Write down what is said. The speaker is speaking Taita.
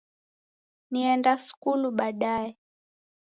Nienda sukulu baadaye